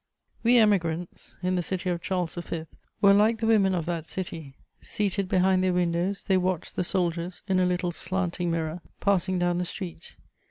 * We Emigrants, in the city of Charles V., were like the women of that city: seated behind their windows, they watch the soldiers, in a little slanting mirror, passing down the street.